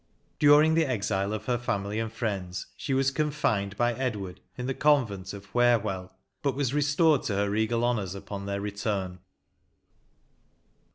During the exile of her family and fiiends, she was confined by Edward in the Convent of Wherwell, bat was restored to her regal honours upon their return.